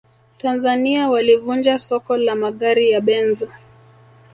tanzania walivunja soko la magari ya benz